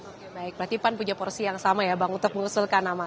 oke baik berarti pan punya porsi yang sama ya bang untuk mengusulkan nama